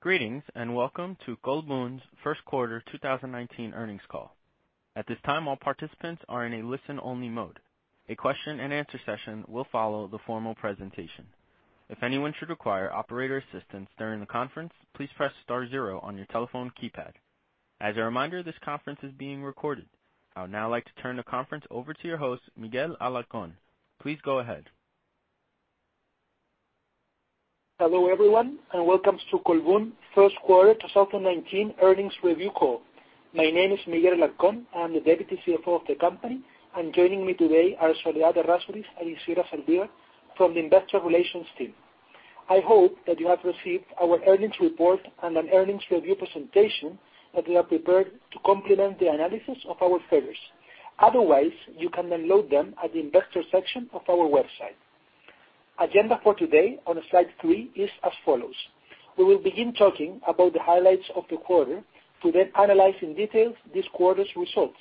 Greetings, welcome to Colbún's First Quarter 2019 Earnings Call. At this time, all participants are in a listen-only mode. A question and answer session will follow the formal presentation. If anyone should require operator assistance during the conference, please press star zero on your telephone keypad. As a reminder, this conference is being recorded. I would now like to turn the conference over to your host, Miguel Alarcón. Please go ahead. Hello, everyone, welcome to Colbún first quarter 2019 earnings review call. My name is Miguel Alarcón. I'm the Deputy CFO of the company, joining me today are Soledad Errázuriz and Isidora Zaldívar from the investor relations team. I hope that you have received our earnings report and an earnings review presentation that we have prepared to complement the analysis of our figures. Otherwise, you can download them at the investor section of our website. Agenda for today on slide three is as follows. We will begin talking about the highlights of the quarter, to then analyze in detail this quarter's results.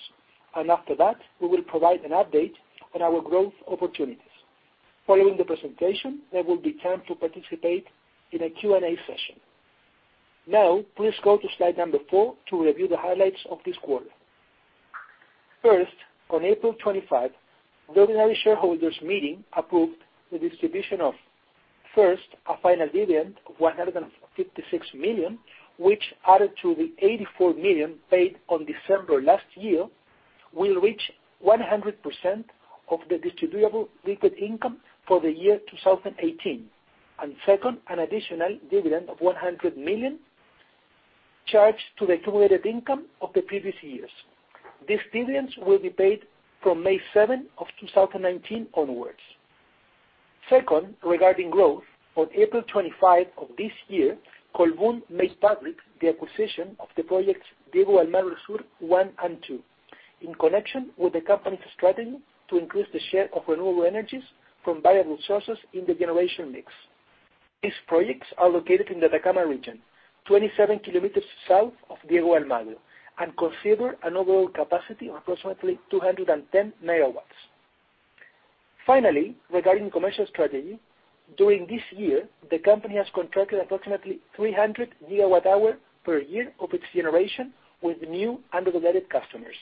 After that, we will provide an update on our growth opportunities. Following the presentation, there will be time to participate in a Q&A session. Now, please go to slide number four to review the highlights of this quarter. First, on April 25, the ordinary shareholders meeting approved the distribution of, first, a final dividend of $156 million, which added to the $84 million paid on December last year, will reach 100% of the distributable liquid income for the year 2018. Second, an additional dividend of $100 million charged to the accumulated income of the previous years. These dividends will be paid from May 7 of 2019 onwards. Second, regarding growth, on April 25 of this year, Colbún made public the acquisition of the projects Diego de Almagro Sur I and II in connection with the company's strategy to increase the share of renewable energies from variable sources in the generation mix. These projects are located in the Atacama Region, 27 km south of Diego de Almagro, and consider an overall capacity of approximately 210 MW. Finally, regarding commercial strategy, during this year, the company has contracted approximately 300 GWh per year of its generation with new and regulated customers.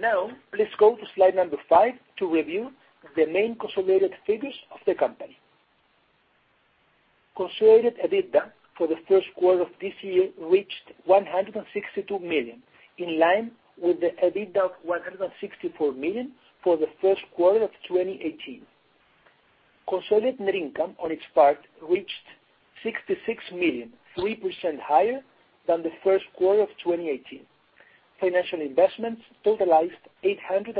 Now, please go to slide number five to review the main consolidated figures of the company. Consolidated EBITDA for the first quarter of this year reached $162 million, in line with the EBITDA of $164 million for the first quarter of 2018. Consolidated net income, on its part, reached $66 million, 3% higher than the first quarter of 2018. Financial investments totalized $816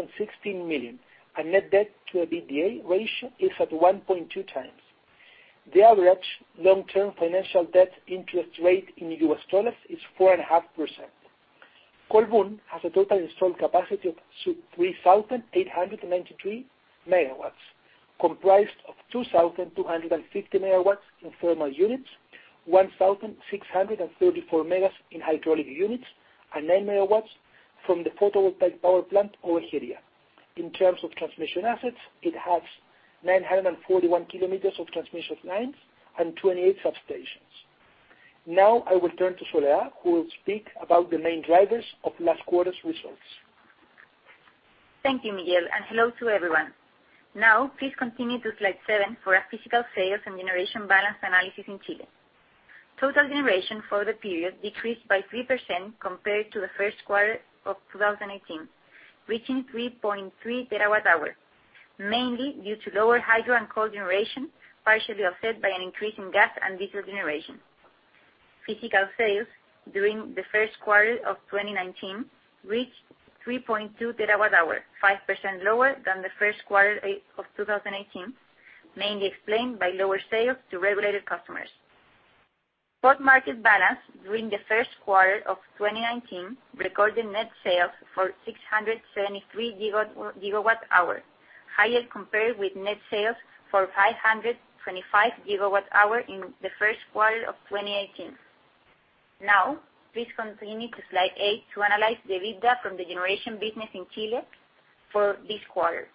million, and net debt to EBITDA ratio is at 1.2x. The average long-term financial debt interest rate in US dollars is 4.5%. Colbún has a total installed capacity of 3,893 MW, comprised of 2,250 MW in thermal units, 1,634 MW in hydraulic units, and 9 MW from the photovoltaic power plant, Ovejería. In terms of transmission assets, it has 941 km of transmission lines and 28 substations. I will turn to Soledad, who will speak about the main drivers of last quarter's results. Thank you, Miguel, and hello to everyone. Please continue to slide seven for our physical sales and generation balance analysis in Chile. Total generation for the period decreased by 3% compared to the first quarter of 2018, reaching 3.3 TWh, mainly due to lower hydro and coal generation, partially offset by an increase in gas and diesel generation. Physical sales during the first quarter of 2019 reached 3.2 TWh, 5% lower than the first quarter of 2018, mainly explained by lower sales to regulated customers. Spot market balance during the first quarter of 2019 recorded net sales for 673 GWh, higher compared with net sales for 525 GWh in the first quarter of 2018. Please continue to slide eight to analyze the EBITDA from the generation business in Chile for this quarter.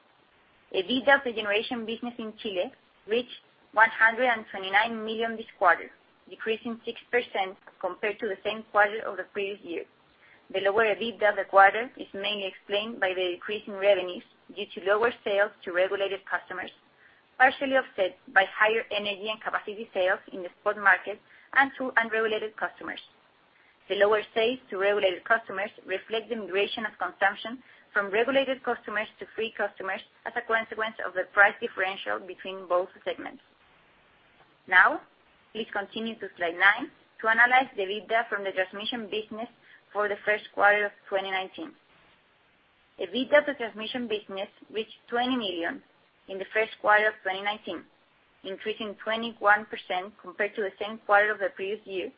EBITDA for generation business in Chile reached $129 million this quarter, decreasing 6% compared to the same quarter of the previous year. The lower EBITDA of the quarter is mainly explained by the decrease in revenues due to lower sales to regulated customers, partially offset by higher energy and capacity sales in the spot market and to unregulated customers. The lower sales to regulated customers reflect the migration of consumption from regulated customers to free customers as a consequence of the price differential between both segments. Please continue to slide nine to analyze the EBITDA from the transmission business for the first quarter of 2019. EBITDA for transmission business reached $20 million in the first quarter of 2019, increasing 21% compared to the same quarter of the previous year,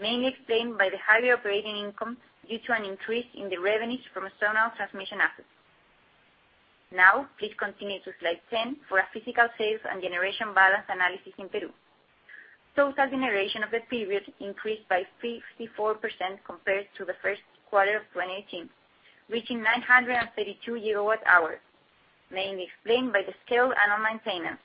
mainly explained by the higher operating income due to an increase in the revenues from zonal transmission assets. Please continue to slide 10 for our physical sales and generation balance analysis in Peru. Total generation of the period increased by 54% compared to the first quarter of 2018, reaching 932 GWh, mainly explained by the scaled annual maintenance,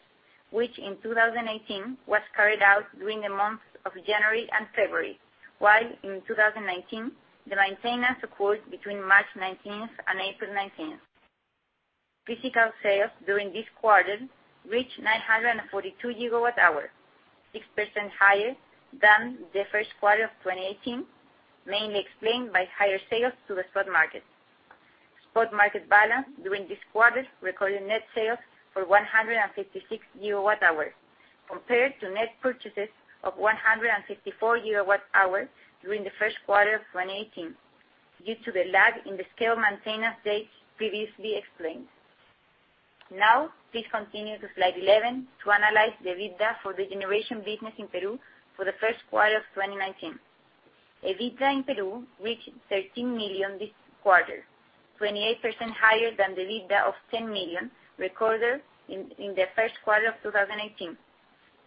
which in 2018, was carried out during the months of January and February, while in 2019, the maintenance occurred between March 19th and April 19th. Physical sales during this quarter reached 942 GWh, 6% higher than the first quarter of 2018, mainly explained by higher sales to the spot market. Spot market balance during this quarter recorded net sales for 156 GWh, compared to net purchases of 154 GWh during the first quarter of 2018, due to the lag in the scale maintenance dates previously explained. Now, please continue to slide 11 to analyze the EBITDA for the generation business in Peru for the first quarter of 2019. EBITDA in Peru reached $13 million this quarter, 28% higher than the EBITDA of $10 million recorded in the first quarter of 2018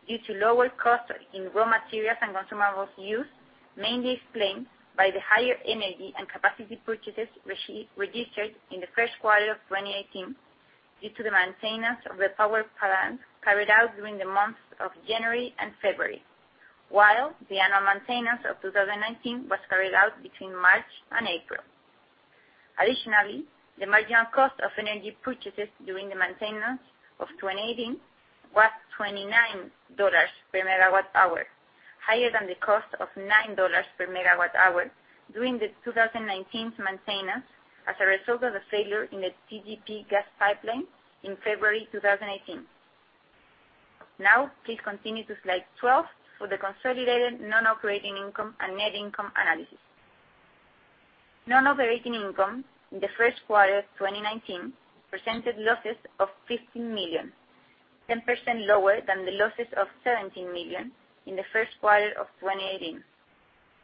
due to lower costs in raw materials and consumables used, mainly explained by the higher energy and capacity purchases registered in the first quarter of 2018 due to the maintenance of the power plant carried out during the months of January and February, while the annual maintenance of 2019 was carried out between March and April. Additionally, the marginal cost of energy purchases during the maintenance of 2018 was $29 per megawatt hour, higher than the cost of $9 per megawatt hour during the 2019 maintenance as a result of the failure in the TGP gas pipeline in February 2018. Now, please continue to slide 12 for the consolidated non-operating income and net income analysis. Non-operating income in the first quarter of 2019 presented losses of $15 million, 10% lower than the losses of $17 million in the first quarter of 2018.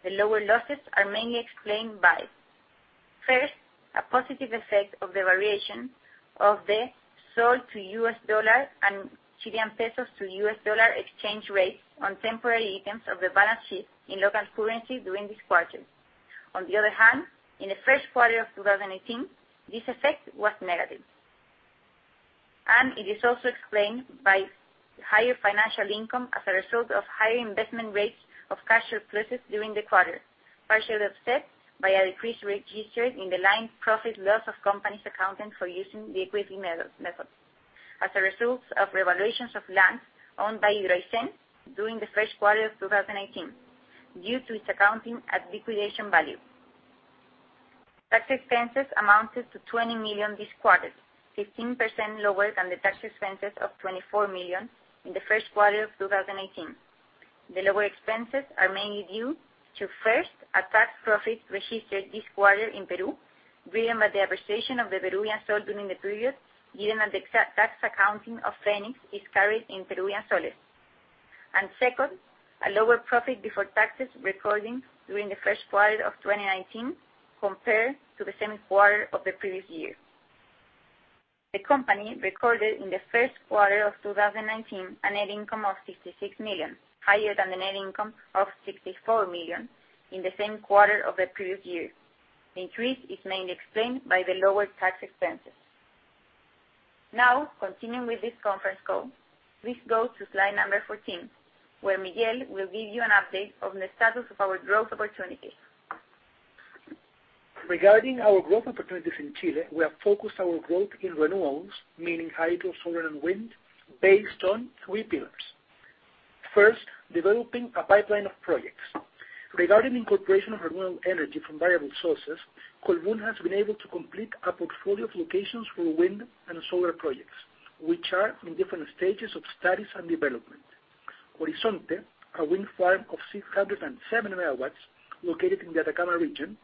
The lower losses are mainly explained by, first, a positive effect of the variation of the sol to U.S. dollar and Chilean pesos to U.S. dollar exchange rates on temporary items of the balance sheet in local currency during this quarter. On the other hand, in the first quarter of 2018, this effect was negative. It is also explained by higher financial income as a result of higher investment rates of cash surpluses during the quarter, partially offset by a decrease registered in the line profit loss of companies accounted for using the equity method. As a result of revaluations of lands owned by HidroAysén during the first quarter of 2018, due to its accounting at liquidation value. Tax expenses amounted to $20 million this quarter, 15% lower than the tax expenses of $24 million in the first quarter of 2018. The lower expenses are mainly due to, first, a tax profit registered this quarter in Peru, driven by the appreciation of the Peruvian sol during the period, given that the tax accounting of Fenix is carried in Peruvian soles. Second, a lower profit before taxes recorded during the first quarter of 2019 compared to the same quarter of the previous year. The company recorded in the first quarter of 2019 a net income of $66 million, higher than the net income of $64 million in the same quarter of the previous year. The increase is mainly explained by the lower tax expenses. Now, continuing with this conference call, please go to slide number 14, where Miguel will give you an update on the status of our growth opportunities. Regarding our growth opportunities in Chile, we have focused our growth in renewables, meaning hydro, solar, and wind, based on three pillars. First, developing a pipeline of projects. Regarding incorporation of renewable energy from variable sources, Colbún has been able to complete a portfolio of locations for wind and solar projects, which are in different stages of studies and development. Horizonte, a wind farm of 607 MW located in the Atacama Region.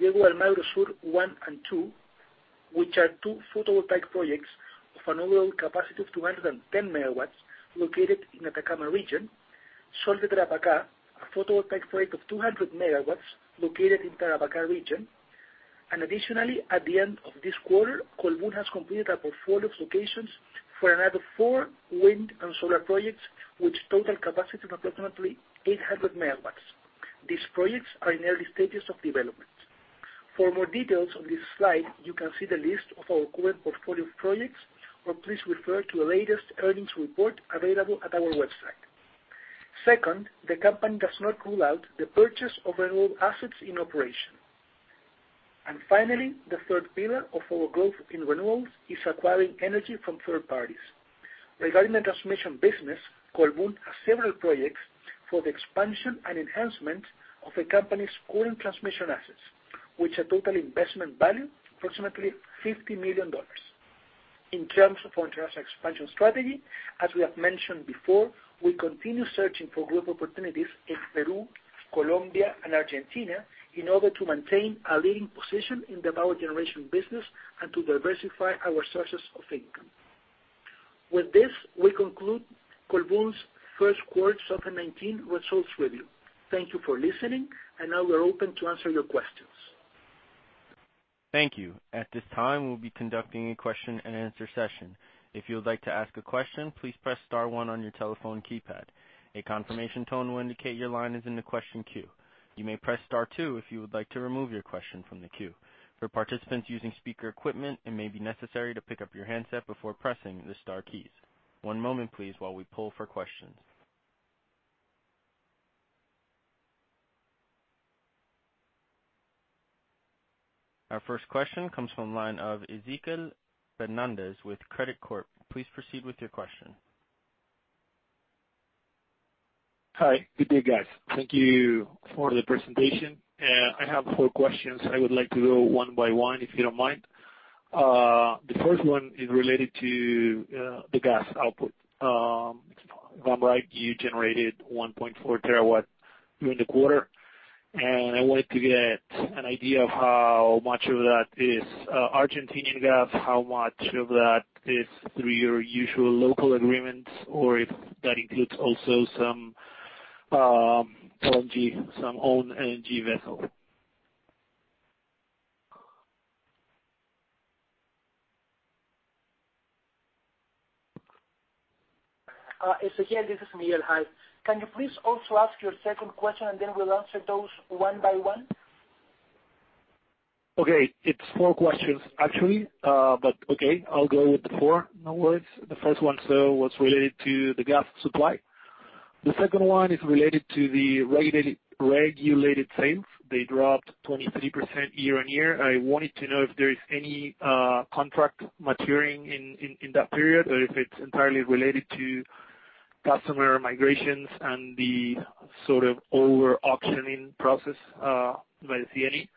Diego de Almagro Sur I and II, which are two photovoltaic projects of an overall capacity of 210 MW located in Atacama Region. Sol de Tarapacá, a photovoltaic project of 200 MW located in Tarapacá Region. Additionally, at the end of this quarter, Colbún has completed a portfolio of locations for another four wind and solar projects, with total capacity of approximately 800 MW. These projects are in early stages of development. For more details on this slide, you can see the list of our current portfolio of projects, or please refer to the latest earnings report available at our website. Second, the company does not rule out the purchase of renewable assets in operation. Finally, the third pillar of our growth in renewables is acquiring energy from third parties. Regarding the transmission business, Colbún has several projects for the expansion and enhancement of the company's current transmission assets, with a total investment value approximately $50 million. In terms of our international expansion strategy, as we have mentioned before, we continue searching for growth opportunities in Peru, Colombia, and Argentina in order to maintain a leading position in the power generation business and to diversify our sources of income. With this, we conclude Colbún's first quarter 2019 results review. Thank you for listening, and now we're open to answer your questions. Thank you. At this time, we'll be conducting a question and answer session. If you would like to ask a question, please press star one on your telephone keypad. A confirmation tone will indicate your line is in the question queue. You may press star two if you would like to remove your question from the queue. For participants using speaker equipment, it may be necessary to pick up your handset before pressing the star keys. One moment please, while we poll for questions. Our first question comes from line of Ezequiel Fernandez with Credicorp. Please proceed with your question. Hi. Good day, guys. Thank you for the presentation. I have four questions. I would like to go one by one, if you don't mind. The first one is related to the gas output. If I'm right, you generated one point four terawatts during the quarter, and I wanted to get an idea of how much of that is Argentinian gas, how much of that is through your usual local agreements, or if that includes also some LNG, some own LNG vessel. Ezequiel, this is Miguel. Hi. Can you please also ask your second question, then we'll answer those one by one? Okay. It's four questions, actually. Okay, I'll go with the four, no worries. The first one was related to the gas supply. The second one is related to the regulated sales. They dropped 23% year-over-year. I wanted to know if there is any contract maturing in that period or if it's entirely related to customer migrations and the sort of over-auctioning process by CNE.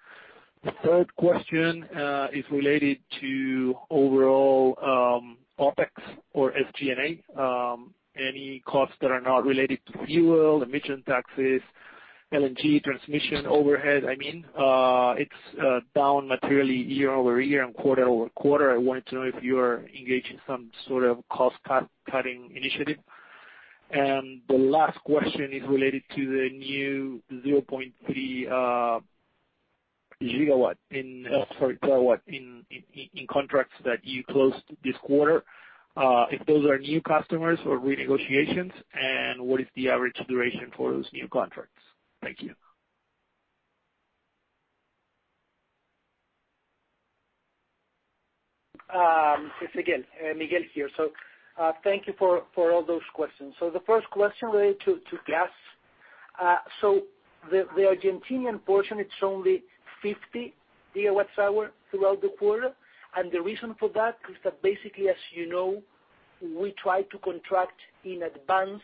The third question is related to overall OpEx or SG&A. Any costs that are not related to fuel, emission taxes, LNG, transmission overhead, I mean. It's down materially year-over-year and quarter-over-quarter. I wanted to know if you are engaged in some sort of cost-cutting initiative. The last question is related to the new 0.3 GW in Oh, sorry, terawatt in contracts that you closed this quarter. If those are new customers or renegotiations, what is the average duration for those new contracts? Thank you. It's Miguel here. Thank you for all those questions. The first question related to gas. The Argentinian portion, it's only 50 GWh throughout the quarter. The reason for that is that basically, as you know, we try to contract in advance,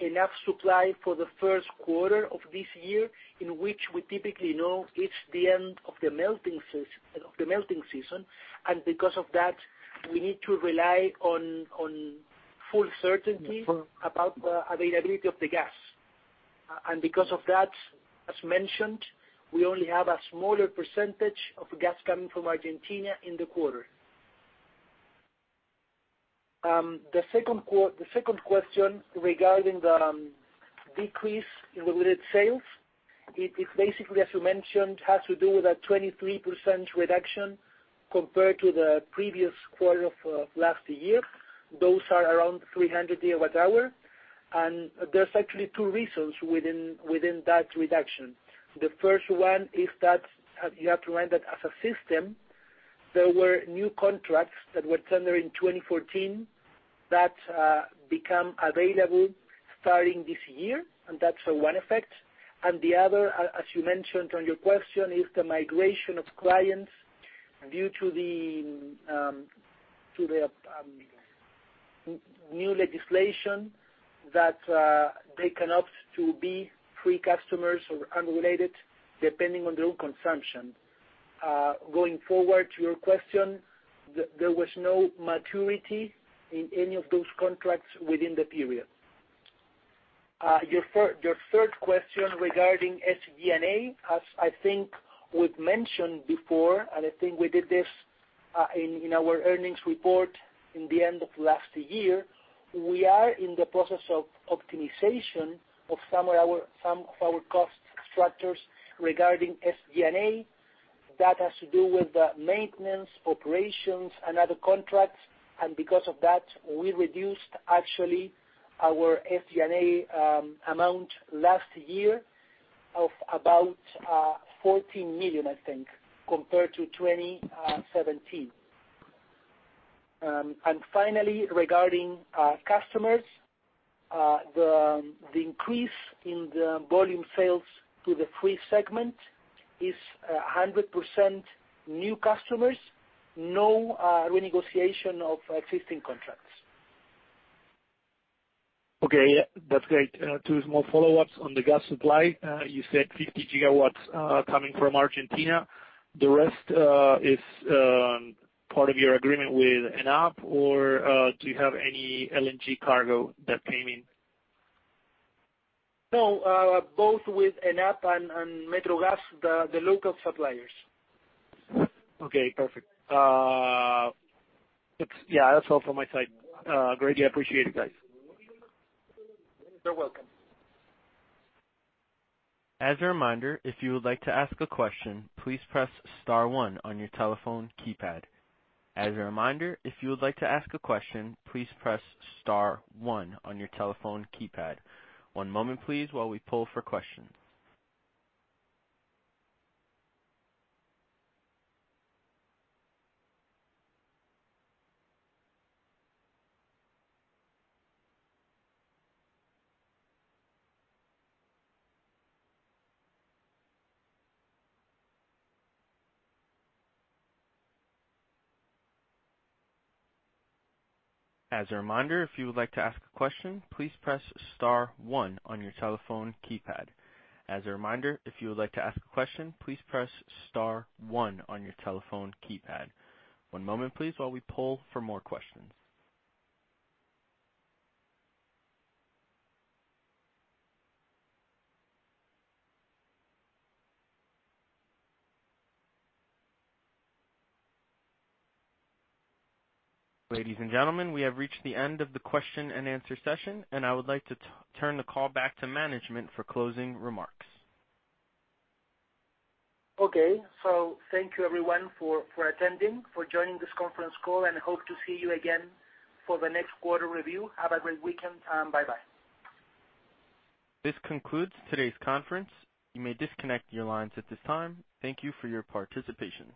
enough supply for the first quarter of this year, in which we typically know it's the end of the melting season. Because of that, we need to rely on full certainty about the availability of the gas. Because of that, as mentioned, we only have a smaller percentage of gas coming from Argentina in the quarter. The second question regarding the decrease in related sales. It basically, as you mentioned, has to do with a 23% reduction compared to the previous quarter of last year. Those are around 300 GWh. There's actually two reasons within that reduction. The first one is that you have to remember that as a system, there were new contracts that were tender in 2014 that become available starting this year, that's one effect. The other, as you mentioned on your question, is the migration of clients due to the new legislation that they can opt to be free customers or unrelated depending on their own consumption. Going forward to your question, there was no maturity in any of those contracts within the period. Your third question regarding SG&A, as I think we've mentioned before, I think we did this in our earnings report in the end of last year. We are in the process of optimization of some of our cost structures regarding SG&A. That has to do with the maintenance, operations, and other contracts. Because of that, we reduced actually our SG&A amount last year of about $14 million, I think, compared to 2017. Finally, regarding our customers, the increase in the volume sales to the free segment is 100% new customers, no renegotiation of existing contracts. Okay. That's great. Two small follow-ups on the gas supply. You said 50 gigawatts coming from Argentina. The rest is part of your agreement with ENAP, or do you have any LNG cargo that came in? No. Both with ENAP and Metrogas, the local suppliers. Okay, perfect. Yeah, that's all from my side. Greatly appreciate it, guys. You're welcome. As a reminder, if you would like to ask a question, please press star one on your telephone keypad. As a reminder, if you would like to ask a question, please press star one on your telephone keypad. One moment, please, while we poll for questions. As a reminder, if you would like to ask a question, please press star one on your telephone keypad. As a reminder, if you would like to ask a question, please press star one on your telephone keypad. One moment, please, while we poll for more questions. Ladies and gentlemen, we have reached the end of the question-and-answer session, and I would like to turn the call back to management for closing remarks. Okay. Thank you everyone for attending, for joining this conference call, and hope to see you again for the next quarter review. Have a great weekend. Bye-bye. This concludes today's conference. You may disconnect your lines at this time. Thank you for your participation.